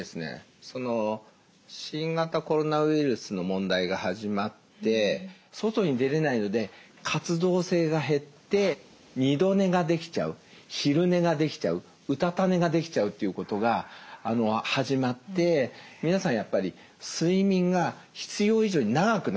新型コロナウイルスの問題が始まって外に出れないので活動性が減って二度寝ができちゃう昼寝ができちゃううたた寝ができちゃうっていうことが始まって皆さんやっぱり睡眠が必要以上に長くなってるんですよ。